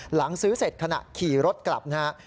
หลังซื้อเสร็จขณะขี่รถกลับนะครับ